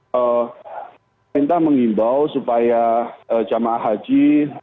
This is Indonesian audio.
pemerintah mengimbau supaya jamaah haji